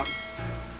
putri arung dalu